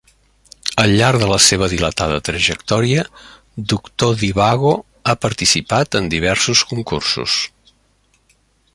Al llarg de la seva dilatada trajectòria, Doctor Divago ha participat en diversos concursos.